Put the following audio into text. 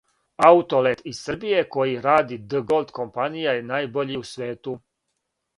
Аутолет из Србије који ради ДГолд компанија је најбољи у свету!